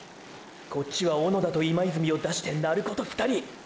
こっちは小野田と今泉を出して鳴子と２人！！